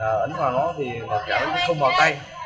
ấn vào nó thì nó cảm thấy không vào tay